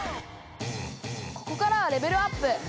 ここからはレベルアップ！